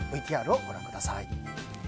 ＶＴＲをご覧ください。